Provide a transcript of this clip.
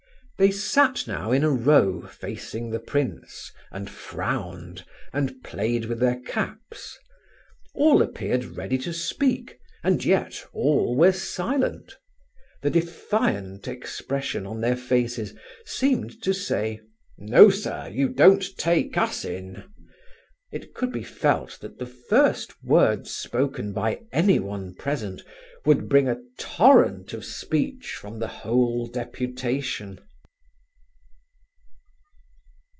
They sat now in a row facing the prince, and frowned, and played with their caps. All appeared ready to speak, and yet all were silent; the defiant expression on their faces seemed to say, "No, sir, you don't take us in!" It could be felt that the first word spoken by anyone present would bring a torrent of speech from the whole deputation.